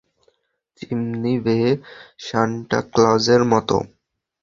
Chimney বেয়ে Santa ক্লজের মতো।